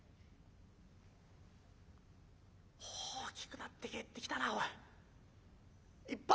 「大きくなって帰ってきたなおい。